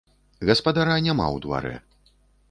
Гаспадара няма ў дварэ.